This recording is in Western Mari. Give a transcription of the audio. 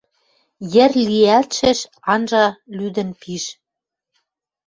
Йӹр лиӓлтшӹш анжа лӱдӹн пиш.